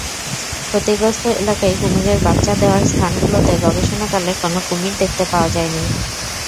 ক্ষতিগ্রস্ত এলাকায় কুমিরের বাচ্চা দেওয়ার স্থানগুলোতে গবেষণাকালে কোনো কুমির দেখতে পাওয়া যায়নি।